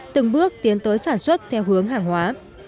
từng bước tiến tới sản xuất theo hướng hàng hóa